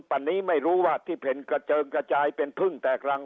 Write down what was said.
วันนี้ไม่รู้ว่าที่เป็นกระเจิงกระจายเป็นพึ่งแตกรัง